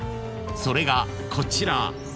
［それがこちら］